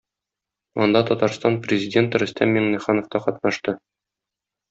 Анда Татарстан Президенты Рөстәм Миңнеханов та катнашты.